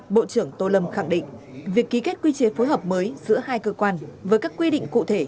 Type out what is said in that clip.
bộ trưởng tô lâm khẳng định việc ký kết quy chế phối hợp mới giữa hai cơ quan với các quy định cụ thể